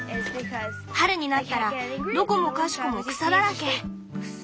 春になったらどこもかしこも草だらけ。